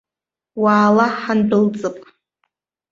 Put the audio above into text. Уаала ҳандәылҵып!